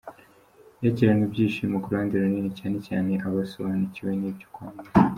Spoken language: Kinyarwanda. Yakiranywe ibyishimo ku ruhande runini, cyane cyane abasobanukiwe n’ibyo kwamamaza.